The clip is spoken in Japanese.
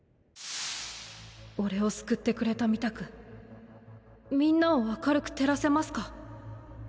俺を救ってくれたみたくみんなを明るく照らせますか？